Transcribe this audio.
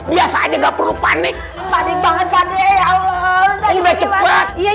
gimana anak anak masih pada naik aduh aduh aduh oh oh dong remnya belum juga